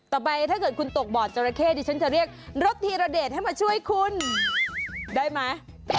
ต่อไปถ้าเกินคุณตกบอดเจราเชษฐ์ดิฉันจะเรียกรถฮิระเดชให้มาช่วยคุณได้มั้ย